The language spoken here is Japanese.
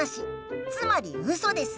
つまりウソです。